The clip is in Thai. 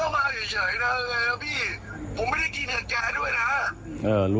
ผมไม่ได้กินกันแจด้วยนะ